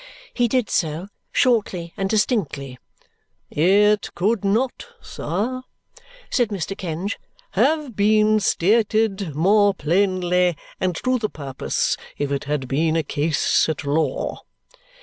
He did so shortly and distinctly. "It could not, sir," said Mr. Kenge, "have been stated more plainly and to the purpose if it had been a case at law."